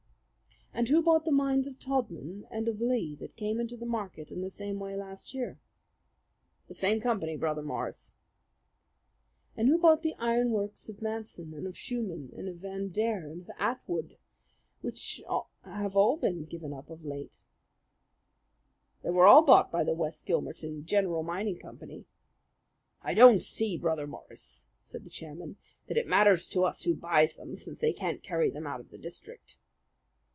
"And who bought the mines of Todman and of Lee that came into the market in the same way last year?" "The same company, Brother Morris." "And who bought the ironworks of Manson and of Shuman and of Van Deher and of Atwood, which have all been given up of late?" "They were all bought by the West Gilmerton General Mining Company." "I don't see, Brother Morris," said the chairman, "that it matters to us who buys them, since they can't carry them out of the district."